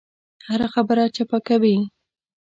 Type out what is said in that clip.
هره خبره چپه کوي.